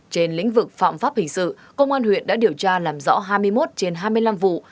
trên lĩnh vực phạm pháp hình sự công an huyện đã điều tra làm rõ hai mươi một trên hai mươi năm vụ